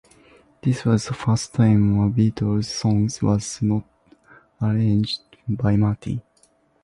This was the first time a Beatles song was not arranged by Martin.